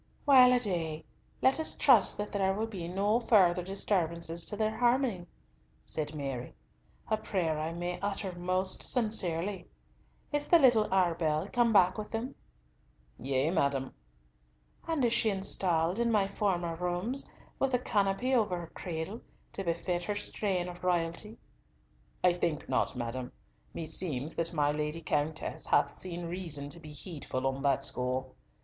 "Well a day, let us trust that there will be no further disturbances to their harmony," said Mary, "a prayer I may utter most sincerely. Is the little Arbell come back with them?" "Yea, madam." "And is she installed in my former rooms, with the canopy over her cradle to befit her strain of royalty?" "I think not, madam. Meseems that my Lady Countess hath seen reason to be heedful on that score.